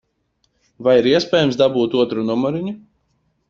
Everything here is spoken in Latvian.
Vai ir iespējams dabūt otru numuriņu?